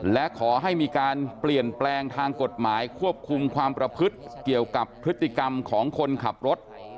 และขอให้มีการเปลี่ยนแปลงทางกฎหมายควบคุมความประพฤติเกี่ยวกับพฤติกรรมของคนขับรถ